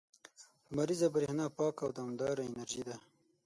• لمریزه برېښنا پاکه او دوامداره انرژي ده.